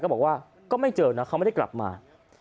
บอกว่าก็ไม่เจอนะเขาไม่ได้กลับมา